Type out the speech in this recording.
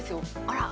あら！